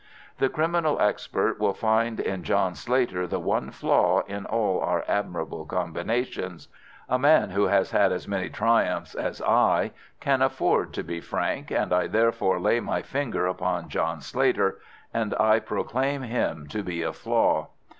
The criminal expert will find in John Slater the one flaw in all our admirable combinations. A man who has had as many triumphs as I can afford to be frank, and I therefore lay my finger upon John Slater, and I proclaim him to be a flaw.